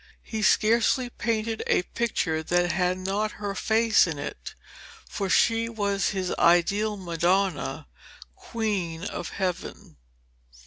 He scarcely painted a picture that had not her face in it, for she was his ideal Madonna, Queen of Heaven.